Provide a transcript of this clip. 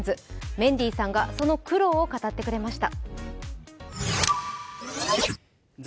メンディーさんが、その苦労を語ってくれました。